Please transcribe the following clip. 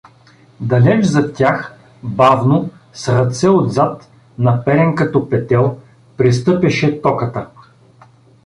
Далеч зад тях, бавно, с ръце отзад, наперен като петел, пристъпяше Токата.